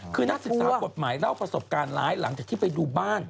คือนักศึกษากฎหมายเล่าประสบการณ์ร้ายหลังจากที่ไปดูบ้าน